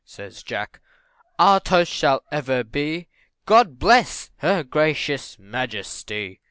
Says Jack, "our toast shall ever be, 'God bless her gracious majesty!